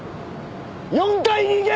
４階に行け！